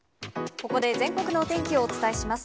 ここで全国のお天気をお伝えします。